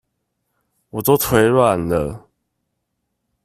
我都腿軟了